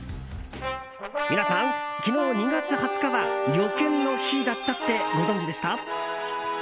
皆さん、昨日２月２０日は旅券の日だったってご存じでした？